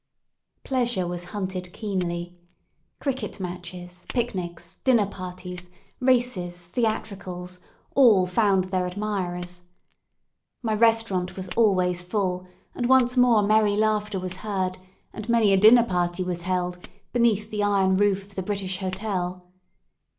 Pleasure was hunted keenly. Cricket matches, pic nics, dinner parties, races, theatricals, all found their admirers. My restaurant was always full, and once more merry laughter was heard, and many a dinner party was held, beneath the iron roof of the British Hotel.